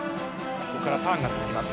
ここからターンが続きます。